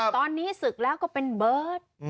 ตอนนี้ศึกแล้วก็เป็นเบิร์ต